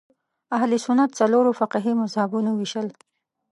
اهل سنت څلورو فقهي مذهبونو وېشل